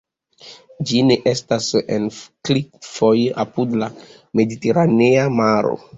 Ĝi nestas en klifoj apud la mediteranea maro.